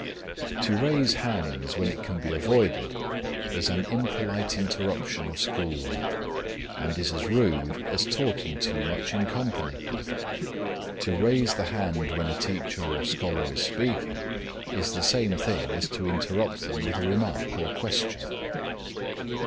To raise hands when it can be avoided is an impolite interruption of school work, and is as rude as talking too much in company. To raise the hand when a teacher or scholar is speaking is the same thing as to interrupt them with a remark or question.